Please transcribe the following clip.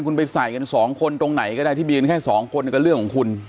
คุณไปใส่กันสองคนตรงไหนก็ได้ที่มีกันแค่สองคนก็เรื่องของคุณ